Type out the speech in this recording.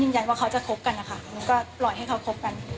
ยันว่าเขาจะคบกันนะคะหนูก็ปล่อยให้เขาคบกัน